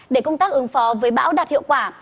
để công tác ứng phó với bão đạt hiệu quả